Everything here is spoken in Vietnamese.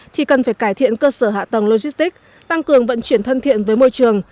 thì cần phải cải thiện cơ sở hạ tầng logistics tăng cường vận chuyển thân thiện với môi trường